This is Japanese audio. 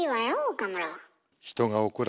岡村。